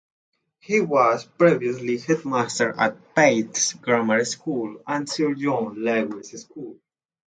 He was previously headmaster at Pate's Grammar School and Sir John Lawes School.